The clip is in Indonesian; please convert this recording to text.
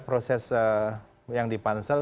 proses yang di pansel